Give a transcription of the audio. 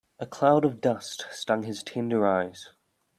A cloud of dust stung his tender eyes.